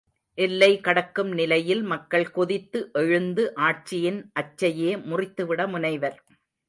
எல்லை கடக்கும் நிலையில் மக்கள் கொதித்து எழுந்து ஆட்சியின் அச்சையே முறித்துவிட முனைவர்.